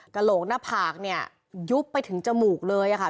กระโหลกหน้าผากเนี่ยยุบไปถึงจมูกเลยค่ะ